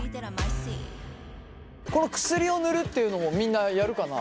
この薬を塗るっていうのもみんなやるかな。